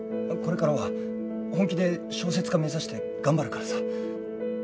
これからは本気で小説家目指して頑張るからさ。